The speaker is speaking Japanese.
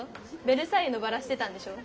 ベルサイユのばらしてたんでしょ？